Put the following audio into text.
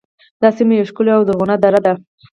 دا سیمه یوه ښکلې او زرغونه دره ده